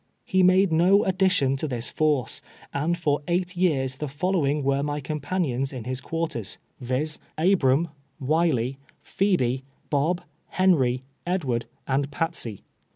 He made no addition to this force, and for eight years the follow ing were my companions in his quarter, viz : Abram, "Wiley, Phebe, Boh, Henry, Edward, and Patsey.